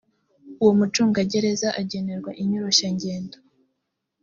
uwo mucungagereza agenerwa inyoroshyangendo